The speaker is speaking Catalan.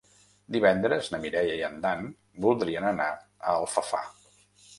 Divendres na Mireia i en Dan voldrien anar a Alfafar.